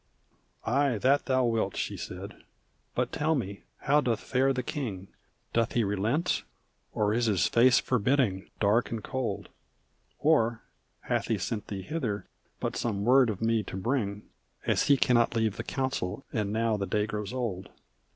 "Ay! That thou wilt," she said. "But tell me, how doth fare the king? Doth he relent? Or is his face forbidding dark and cold? Or hath he sent thee hither but some word of me to bring As he cannot leave the council, and now the day grows old?"